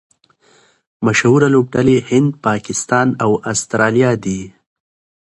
مشهوره لوبډلي هند، پاکستان او اسټرالیا دي.